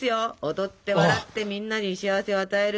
踊って笑ってみんなに幸せを与える。